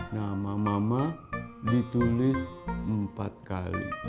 nama mama ditulis empat kali